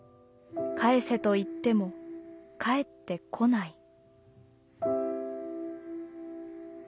返せと言っても返って来ない」。